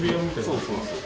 そうそうそう。